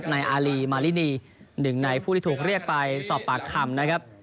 นายอารีมารินีหนึ่งในผู้ที่ถูกเรียกไปสอบปากคำนะครับ